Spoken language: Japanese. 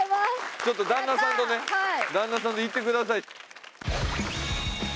ちょっと旦那さんとね旦那さんと行ってください。